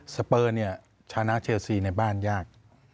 สเปอร์ชนะเทลซีในบ้านยาก